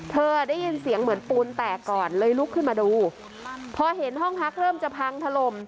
เธอได้ยินเสียงเหมือนปูนแตกก่อนเลยลุกขึ้นมาดูพอเห็นห้องพักเริ่มจะพังถล่ม